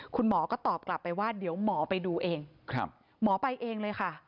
คุณหมอก็ตอบกลับไปว่าเดี๋ยวหมอไปดูเองหมอไปเองเลยค่ะ